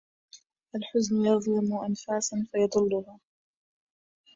الحزن يظلم أنفسا فيضلها